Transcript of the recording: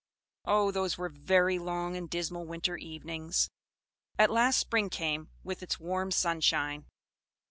Oh! those were very long and dismal winter evenings! At last spring came, with its warm sunshine.